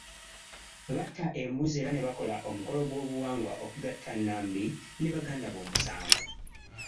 Batta embuzi, era ne bakola omukolo gw'obuwangwa okugatta Nambi ne baganda be omusanvu.